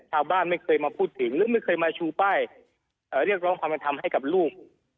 ชาวบ้านไม่เคยมาพูดถึงหรือไม่เคยมาชูป้ายเรียกร้องความเป็นธรรมให้กับลูก